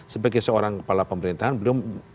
sebagai seorang kepala pemerintahan beliau